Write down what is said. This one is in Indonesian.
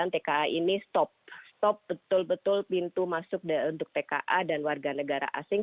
tka ini stop stop betul betul pintu masuk untuk tka dan warga negara asing